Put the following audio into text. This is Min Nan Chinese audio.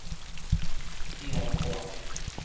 長泰